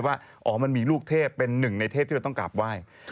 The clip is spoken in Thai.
ว่าอ๋อมันมีลูกเทพเป็นหนึ่งในเทพที่เราต้องกราบไหว้